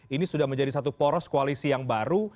ini sudah menjadi satu poros koalisi yang baru